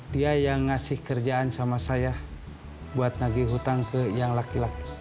dia yang memberikan kerjaan kepada saya untuk menagih hutang kepada laki laki